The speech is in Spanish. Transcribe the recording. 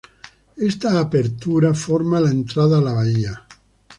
Esta abertura forma la entrada a la bahía.